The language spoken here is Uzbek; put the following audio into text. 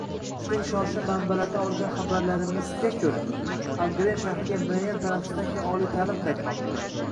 Juda ishonchli manbalardan olgan xabarimizga koʻra, Angren shahriga muayyan tanaffusdan keyin oliy taʼlim qaytmoqda.